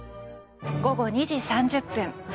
午後２時３０分。